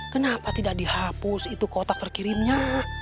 kenapa tidak dihapus itu kotak terkirimnya